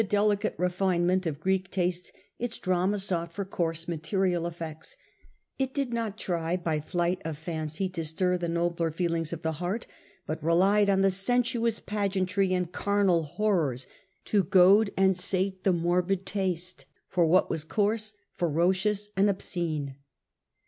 delicate refinement of Greek taste its drama sought for coarse material effects ; it did not try by flight of fancy to stir the nobler feelings of the heart, but relied on sensuous pageantry and carnal horrors to goad and sate the morbid taste for what was coarse, ferocious, and obscene.